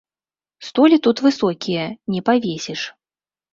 Столі тут высокія, не павесіш.